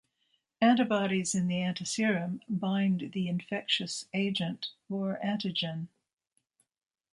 Antibodies in the antiserum bind the infectious agent or antigen.